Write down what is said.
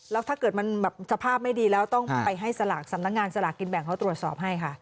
แล้วถ้าเกิดมันแบบสภาพไม่ดีแล้วต้องไปให้สลากสำนักงานสลากกินแบ่งเขาตรวจสอบให้ค่ะ